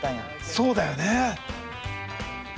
そうだよね。